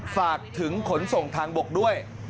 ฝากถึงขนส่งทางบกด้วย